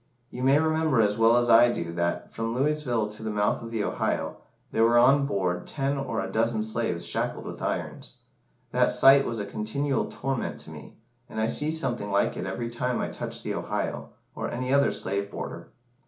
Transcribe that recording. You may remember as well as I do that, from Louisville to the mouth of the Ohio, there were on board ten or a dozen slaves shackled with irons. That sight was a continual torment to me, and I see something like it every time I touch the Ohio, or any other slave border.